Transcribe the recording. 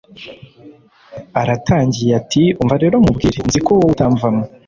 aratangiye ati umva rero nkubwire nziko wowe utamvamo